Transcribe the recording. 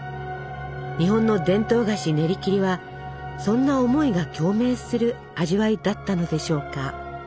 日本の伝統菓子ねりきりはそんな思いが共鳴する味わいだったのでしょうか。